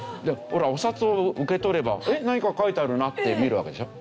お札を受け取れば「えっ何か書いてあるな」って見るわけでしょ？